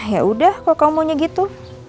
yaudah kalau kamu maunya gitu